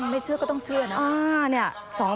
ไม่เชื่อก็ต้องเชื่อนะ